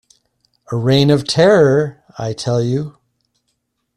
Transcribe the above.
A reign of terror, I tell you.